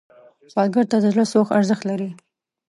سوالګر ته د زړه سوز ارزښت لري